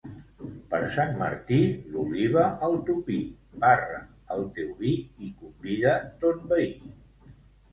Per Sant Martí, l'oliva al tupí, barra el teu vi i convida ton veí.